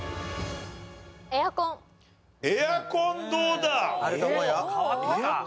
エアコンどうだ？